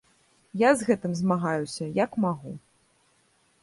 Я з гэтым змагаюся, як магу.